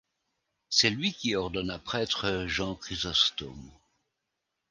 C'est lui qui ordonna prêtre Jean Chrysostome.